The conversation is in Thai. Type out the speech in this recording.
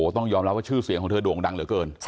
ต้องยอมรับว่าชื่อเสียงของเธอโด่งดังเหลือเกิน